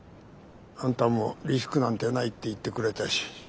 あんたもリスクなんてないって言ってくれたし。